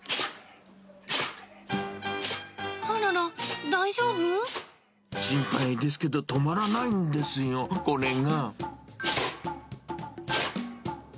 あらら、大丈夫？心配ですけど止まらないんですよ、これが。